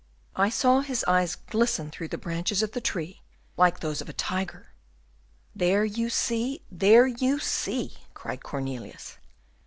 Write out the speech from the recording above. "I saw his eyes glisten through the branches of the tree like those of a tiger." "There you see, there you see!" cried Cornelius.